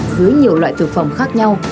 dưới nhiều loại thực phẩm khác nhau